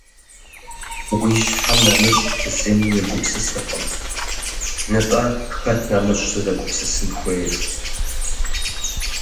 -Уи щхьэм нэмыщӏ зыми уегупсысыркъым. – Нтӏэ хэт нэмыщӏ сызэгупсысын хуейр?